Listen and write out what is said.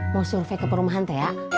mau survei ke perumahan teh ya